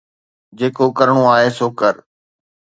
جيڪو ڪرڻو آهي سو ڪر